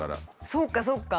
そうかそうか。